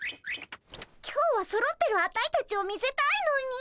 今日はそろってるアタイたちを見せたいのに。